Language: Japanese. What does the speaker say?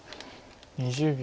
２０秒。